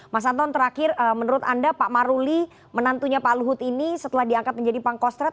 mas anton terakhir menurut anda pak maruli menantunya pak luhut ini setelah diangkat menjadi pangkostrat